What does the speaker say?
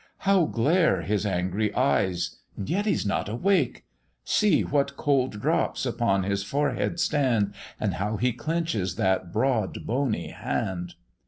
How glare his angry eyes, and yet he's not awake: See! what cold drops upon his forehead stand, And how he clenches that broad bony hand."